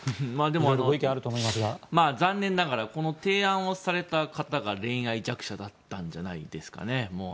でも、残念ながら提案された方が恋愛弱者だったんじゃないですかね。